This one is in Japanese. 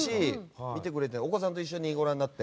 お子さんと一緒にご覧になって？